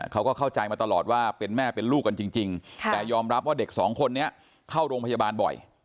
เขาก็เข้าใจมาตลอดว่าเป็นแม่เป็นลูกกันจริงแต่ยอมรับว่าเด็กสองคนนี้เข้าโรงพยาบาลบ่อย